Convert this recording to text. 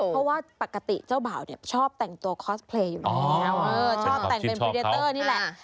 เพราะว่าปกติเจ้าบ่าวเนี่ยชอบแต่งตัวคอสเพลย์อยู่แล้วชอบแต่งเป็นพรีเดเตอร์นี่แหละ